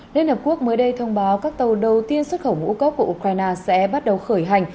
liên hợp quốc mới đây thông báo các tàu đầu tiên xuất khẩu ngũ cốc của ukraine sẽ bắt đầu khởi hành